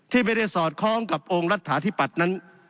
ที่ไม่ได้สอดคล้องกับองค์รัฐาธิปัตย์นั้น